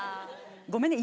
ごめんね。